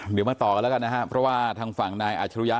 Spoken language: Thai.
เดี๋ยวมาต่อกันแล้วกันนะครับเพราะว่าทางฝั่งนายอาชรุยะ